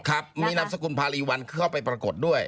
ครับมีนามสกุลพารีวัลเข้าไปปรากฏด้วย